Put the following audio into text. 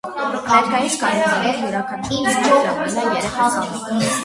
Ներկայիս կանոններով՝ յուրաքանչյուր թիմ պետք է ունենա երեք ուսանող։